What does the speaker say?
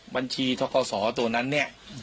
บัญชีทะเกาสอตัวนั้นเนี่ย